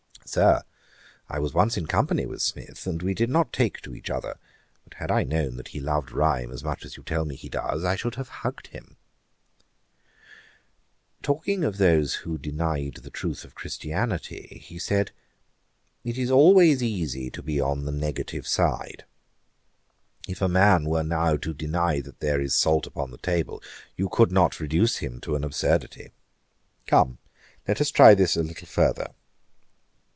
'Sir, I was once in company with Smith, and we did not take to each other; but had I known that he loved rhyme as much as you tell me he does, I should have HUGGED him.' [Page 428: The evidences of Christianity. A.D. 1763.] Talking of those who denied the truth of Christianity, he said, 'It is always easy to be on the negative side. If a man were now to deny that there is salt upon the table, you could not reduce him to an absurdity. Come, let us try this a little further.